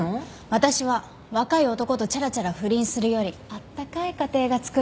私は若い男とちゃらちゃら不倫するよりあったかい家庭がつくりたいんです。